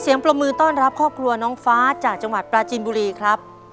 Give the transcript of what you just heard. ขอเสียงประมูนต้อนรับข้อกลัวน้องฟ้าจากจังหวัดปราจินบุรีครับ